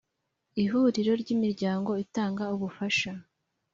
ihuriro ry imiryango itanga ubufasha